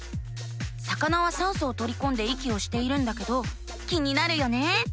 魚は酸素をとりこんで息をしているんだけど気になるよね。